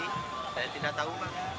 saya tidak tahu